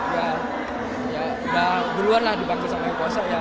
dia ya udah duluan lah dibangun sama epocha ya